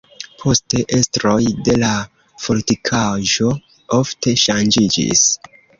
Poste estroj de la fortikaĵo ofte ŝanĝiĝis.